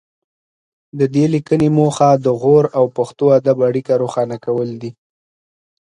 د دې لیکنې موخه د غور او پښتو ادب اړیکه روښانه کول دي